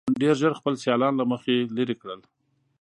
ډېر ژر خپل سیالان له مخې لرې کړل.